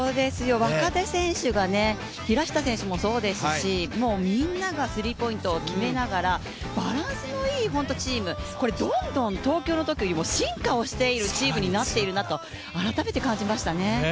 若手選手が平下選手もそうですし、もう、みんながスリーポイント決めながらバランスのいいチームこれどんどん東京のときよりも進化をしているチームになっているなと改めて感じましたね。